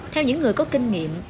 theo những người có kinh nghiệm